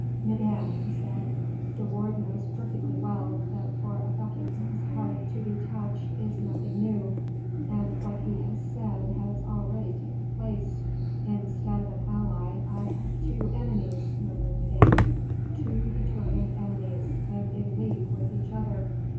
"Madame," he said, "De Wardes knows perfectly well that for a Buckingham's heart to be touched is nothing new, and what he has said has already taken place." "Instead of an ally, I have two enemies," murmured Madame; "two determined enemies, and in league with each other."